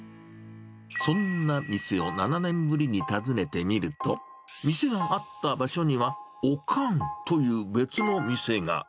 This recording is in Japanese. そんな店を７年ぶりに訪ねてみると、店があった場所には、オカンという別の店が。